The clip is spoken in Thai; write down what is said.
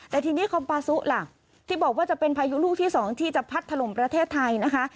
แต่ทีนี้คอมปาซุล่ะที่บอกว่าจะเป็นพายุลูกที่๒ที่จะพัดถล่มประเทศไทยนะคะ